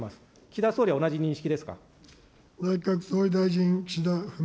岸田総理は同じ認識ですか。